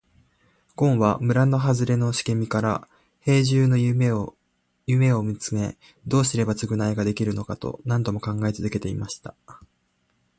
ごんは村はずれの茂みから兵十の家を見つめ、どうすれば償いができるのかと何度も考え続けていました。